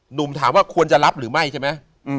หนุ่มถามว่าควรจะรับหรือไม่ใช่ไหม